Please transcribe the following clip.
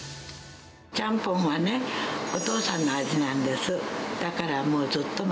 ちゃんぽんはね、お父さんの味なんです。